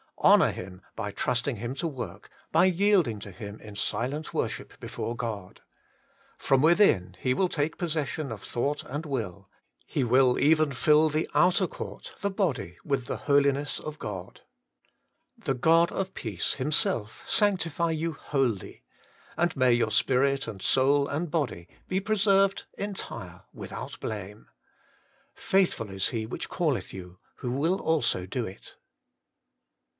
Honour Him by trusting Him to work, by yielding to Him In silent worship before God. From within He will take possession of thought and will; He will even fill the outer court, the body, with the Holiness of God. ' The God of peace Himself sanctify you wholly ; and may your spirit, and soul, and body, be preserved entire, without blame. Faithful is He which calleth you, who will also do ft.'